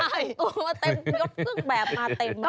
โอ้โฮเต็มยกซึ่งแบบมาเต็ม